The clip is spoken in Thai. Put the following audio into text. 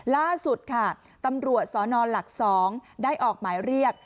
ล่าสุดค่ะตำรวจสนหลัก๒ได้ออกหมายเรียก